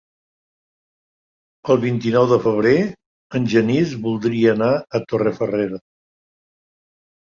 El vint-i-nou de febrer en Genís voldria anar a Torrefarrera.